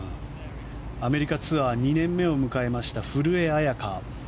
アメリカツアー２年目を迎えました、古江彩佳。